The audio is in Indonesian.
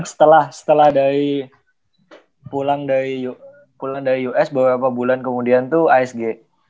setelah dari pulang dari us beberapa bulan kemudian itu asg